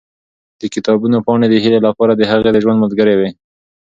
د کتابونو پاڼې د هیلې لپاره د هغې د ژوند ملګرې وې.